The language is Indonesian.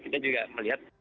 kita juga melihat